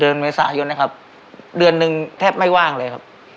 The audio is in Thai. เมษายนนะครับเดือนหนึ่งแทบไม่ว่างเลยครับ